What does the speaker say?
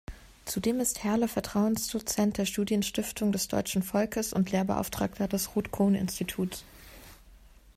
Zudem ist Härle Vertrauensdozent der Studienstiftung des deutschen Volkes und Lehrbeauftragter des Ruth-Cohn-Instituts.